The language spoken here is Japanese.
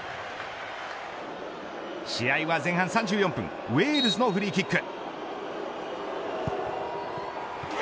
試合は前半３４分ウェールズのフリーキック。